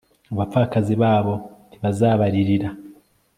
abapfakazi babo ntibazabaririra